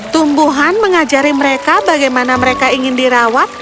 tumbuhan mengajari mereka bagaimana mereka ingin dirawat